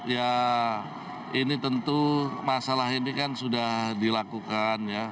ya ini tentu masalah ini kan sudah dilakukan ya